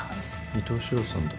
伊東四朗さんだ。